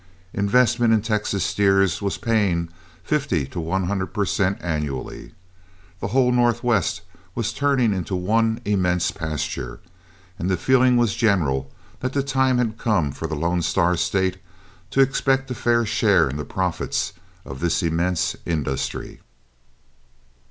Investment in Texas steers was paying fifty to one hundred per cent annually, the whole Northwest was turning into one immense pasture, and the feeling was general that the time had come for the Lone Star State to expect a fair share in the profits of this immense industry.